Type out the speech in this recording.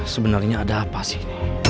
sebenarnya ada apa sih